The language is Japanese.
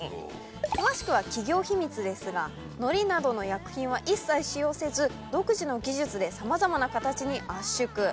詳しくは企業秘密ですがノリなどの薬品は一切使用せず独自の技術でさまざまな形に圧縮。